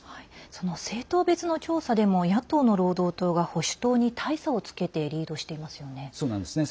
その政党別の調査でも野党の労働党が保守党に大差をつけてリードしていますよね。